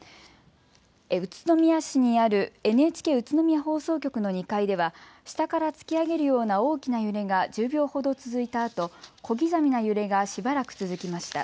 宇都宮市にあるＮＨＫ宇都宮放送局の２階では下から突き上げるような大きな揺れが１０秒ほど続いたあと小刻みな揺れがしばらく続きました。